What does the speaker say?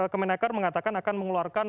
kemenekar mengatakan akan mengeluarkan